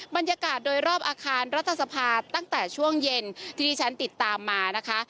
บรรยากาศโดยรอบอาคารรัฐสภาตั้งแต่ช่วงเย็นที่ที่ฉันติดตามมานะคะ